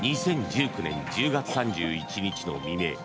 ２０１９年１０月３１日の未明